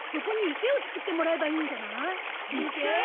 池！？